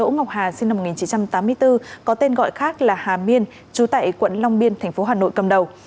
năm một nghìn chín trăm tám mươi bốn có tên gọi khác là hà miên trú tại quận long biên tp hcm cầm đầu